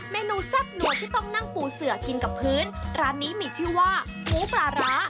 เมนูแซ่บนัวที่ต้องนั่งปูเสือกินกับพื้นร้านนี้มีชื่อว่าหมูปลาร้า